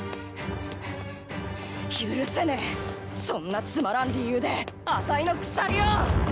許せねえそんなつまらん理由であたいの鎖を！